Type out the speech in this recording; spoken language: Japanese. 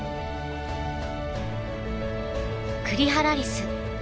クリハラリス。